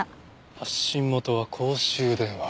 発信元は公衆電話。